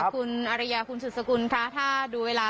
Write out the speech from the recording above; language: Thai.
คุณอริยาคุณสุดสกุลคะถ้าดูเวลา